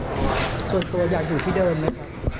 ส่วนตัวอยากอยู่ที่เดิมไหมครับ